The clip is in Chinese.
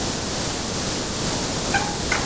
高原苕子